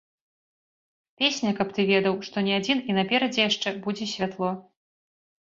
Песня, каб ты ведаў, што не адзін, і наперадзе яшчэ будзе святло.